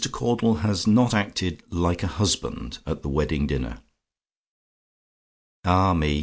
CAUDLE HAS NOT ACTED "LIKE A HUSBAND" AT THE WEDDING DINNER "Ah, me!